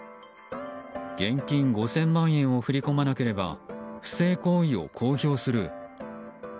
現金５０００万円を振り込まなければ不正行為を公表する。